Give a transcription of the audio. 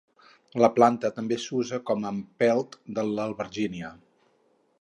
La planta també s'usa com a empelt de l'albergínia.